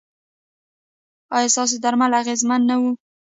ایا ستاسو درمل اغیزمن نه وو؟